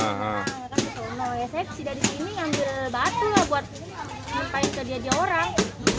saya bisa dari sini ambil batu buat melemparin ke dia dia orang